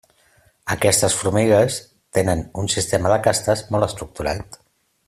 Aquestes formigues tenen un sistema de castes molt estructurat.